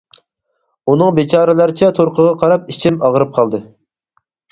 ئۇنىڭ بىچارىلەرچە تۇرقىغا قاراپ ئىچىم ئاغرىپ قالدى.